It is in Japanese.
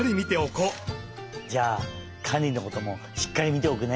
じゃあカンリのこともしっかりみておくね！